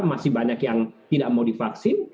masih banyak yang tidak mau divaksin